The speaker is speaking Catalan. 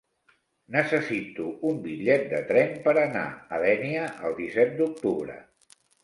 Necessito un bitllet de tren per anar a Dénia el disset d'octubre.